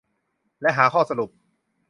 และหาข้อสรุป